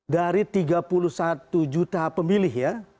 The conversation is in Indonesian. dari tiga puluh satu juta pemilih ya